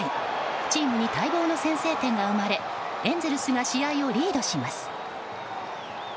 チームに待望の先制点が生まれエンゼルスが試合をリードします。